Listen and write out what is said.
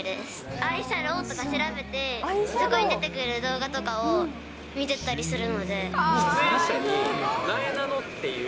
アイシャドーとか調べて、そこに出てくる動画とかを見てたりする出演者に、なえなのっていう。